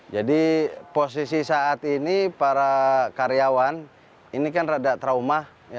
jadi posisi saat ini para karyawan ini kan rada trauma